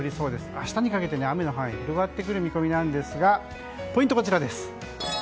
明日にかけて雨の範囲が広がってくる見込みなんですがポイントはこちらです。